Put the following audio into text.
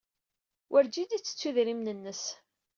Werǧin yettettu idrimen-nnes.